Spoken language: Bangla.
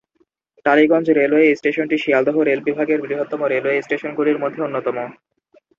টালিগঞ্জ রেলওয়ে স্টেশনটি শিয়ালদহ রেল বিভাগের ব্যস্ততম রেলওয়ে স্টেশনগুলির মধ্যে অন্যতম।